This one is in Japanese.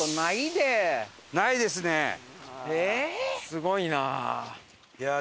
すごいなあ。